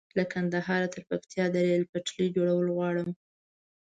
له کندهاره تر پکتيا د ريل پټلۍ جوړول غواړم